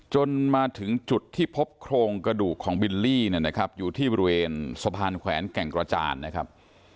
จนมาถึงจุดที่พบโครงกระดูกของบิลลี่เนี่ยนะครับอยู่ที่บริเวณสะพานแขวนแก่งกระจานนะครับ